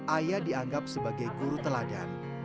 ayah dianggap sebagai guru teladan